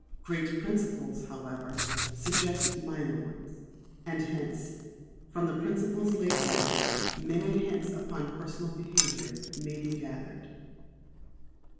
Great principles, however, suggest minor ones; and hence, from the principles laid down, many hints upon personal behaviour may be gathered.